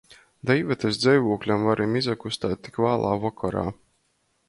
Da Ivetys dzeivūkļam varim izakustēt tik vālā vokorā.